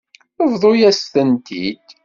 Bḍu-yas-tent-id.